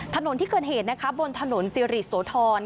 ถนนที่เกิดเหตุนะคะบนถนนสิริโสธร